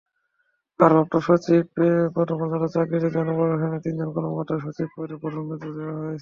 ভারপ্রাপ্ত সচিব পদমর্যাদায় চাকরিরত জনপ্রশাসনের তিনজন কর্মকর্তাকে সচিব পদে পদোন্নতি দেওয়া হয়েছে।